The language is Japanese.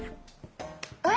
あれ？